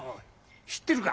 知ってるか！